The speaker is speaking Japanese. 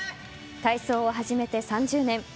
体操を始めて３０年。